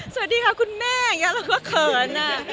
สวัสดีค่ะคุณแม่เราก็เขินอ่ะ